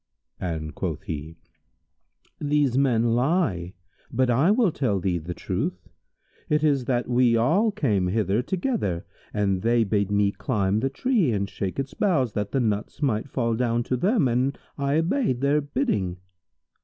and quoth he, "These men lie; but I will tell thee the truth. It is that we all came hither together and they bade me climb the tree and shake its boughs that the nuts might fall down to them, and I obeyed their bidding."